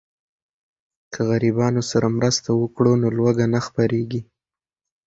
که غریبانو سره مرسته وکړو نو لوږه نه خپریږي.